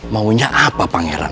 maunya apa pangeran